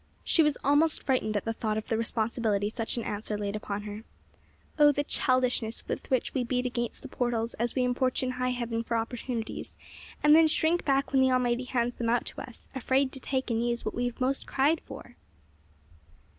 She was almost frightened at the thought of the responsibility such an answer laid upon her. O, the childishness with which we beat against the portals as we importune high Heaven for opportunities, and then shrink back when the Almighty hands them out to us, afraid to take and use what we have most cried for!